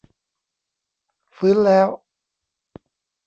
ฟื้นแล้ว